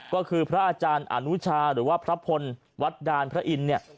ก็คือพระอาจารย์อนุชาหรือว่าพระพลวัดดานพระอินทร์เนี่ย